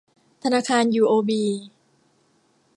ธนาคารยูโอบี